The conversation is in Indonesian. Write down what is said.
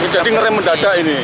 jadi ngerem mendadak ini